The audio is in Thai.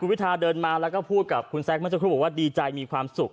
วิทาเดินมาแล้วก็พูดกับคุณแซคเมื่อสักครู่บอกว่าดีใจมีความสุข